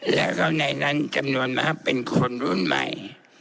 แล้วก็ในนั้นจำนวนมากเป็นคนรุ่นใหม่